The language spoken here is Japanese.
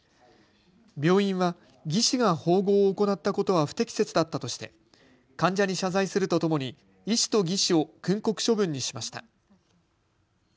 病院は技士が縫合を行ったことは不適切だったとして患者に謝罪するとともに医師と技士を訓告処分にしました。